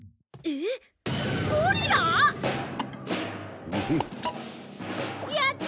えっ？